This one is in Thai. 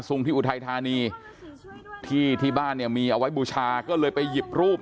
ที่อุทัยธานีที่ที่บ้านเนี่ยมีเอาไว้บูชาก็เลยไปหยิบรูป